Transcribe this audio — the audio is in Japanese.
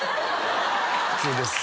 普通です。